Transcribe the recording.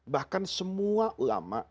bahkan semua ulama